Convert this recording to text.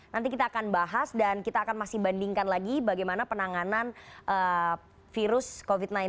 nanti kita akan bahas dan kita akan masih bandingkan lagi bagaimana penanganan virus covid sembilan belas